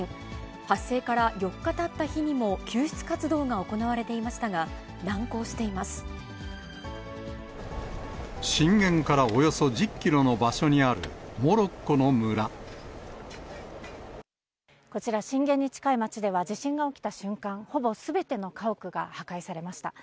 発生から４日たった日にも救出活動が行われていましたが、難航し震源からおよそ１０キロの場こちら、震源に近い町では地震が起きた瞬間、ほぼすべての家屋が破壊されました。